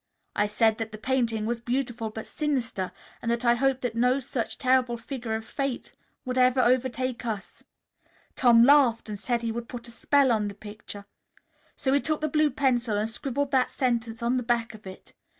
I said that the painting was beautiful but sinister, and that I hoped that no such terrible figure of Fate would ever overtake us. Tom laughed and said he would put a spell on the picture. So he took the blue pencil and scribbled that sentence on the back of it.